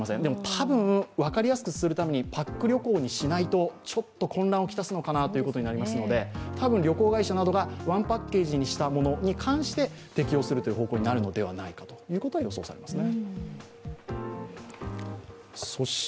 ただ、分かりやすくするためにパック旅行にしないと、ちょっと混乱を来すのかなということになりますので、多分、旅行会社などが１パッケージにしたものに関して適応するという方向になるのではないかということは予想されます。